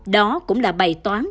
đó cũng là bày toán